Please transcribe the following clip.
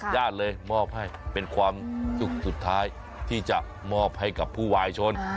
ญาติเลยมอบให้เป็นความสุขสุดท้ายที่จะมอบให้กับผู้วายชน